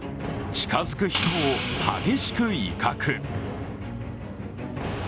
近づく人を激しく威嚇。